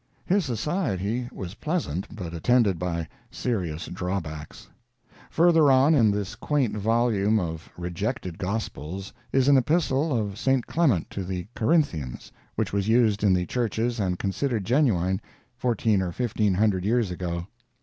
His society was pleasant, but attended by serious drawbacks. Further on in this quaint volume of rejected gospels is an epistle of St. Clement to the Corinthians, which was used in the churches and considered genuine fourteen or fifteen hundred years ago.